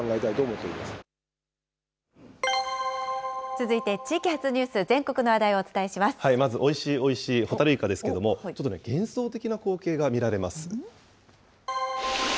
続いて地域発ニュース、まず、おいしいおいしいホタルイカですけれども、ちょっとね、幻想的な光景が見られます。